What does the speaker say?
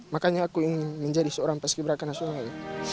makanya aku ingin menjadi seorang paskir berakan nasional